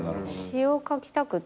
詞を書きたくて。